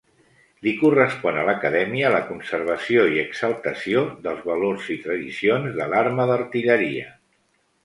Li correspon a l'Acadèmia la conservació i exaltació dels valors i tradicions de l'Arma d'Artilleria.